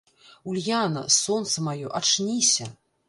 Ульяна, сонца маё, ачніся!